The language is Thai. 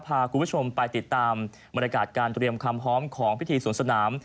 พาคุณผู้ชมไปติดตามบรรยากาศการเตรียมความพร้อมของพิธีสวนสนาม